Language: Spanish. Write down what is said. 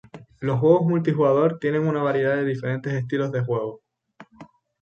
Los juegos multijugador tienen una variedad de diferentes estilos de juego.